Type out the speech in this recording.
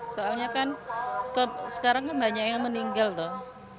soalnya kan sekarang kan banyak yang meninggal tuh